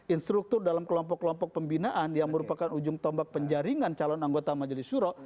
instruktur dalam kelompok kelompok pembinaan yang merupakan ujung tombak penjaringan calon anggota majelis syuro